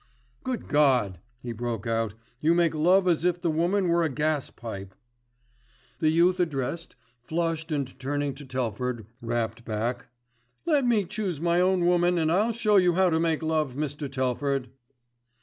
"Good God!" he broke out, "you make love as if the woman were a gas pipe." The youth addressed flushed and turning to Telford rapped back, "Let me choose my own woman and I'll show you how to make love, Mr. Telford."